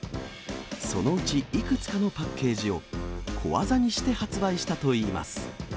そのうちいくつかのパッケージを、小技にして発売したといいます。